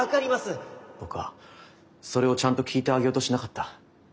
僕はそれをちゃんと聞いてあげようとしなかった。